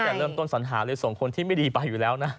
แต่เริ่มต้นสัญหาเลยส่งคนที่ไม่ดีไปอยู่แล้วนะ